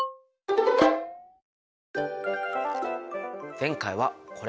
前回はこれ。